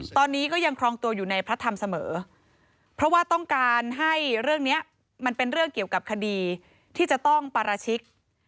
ตอนนี้ก็ยังครองตัวอยู่ในพระธรรมเสมอเพราะว่าต้องการให้เรื่องนี้มันเป็นเรื่องเกี่ยวกับคดีที่จะต้องปราชิก